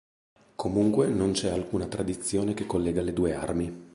Comunque non c'è alcuna tradizione che collega le due armi.